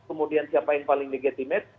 kemudian siapa yang paling legitimate